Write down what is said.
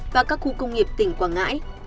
và các khu công nghiệp tỉnh quảng ngãi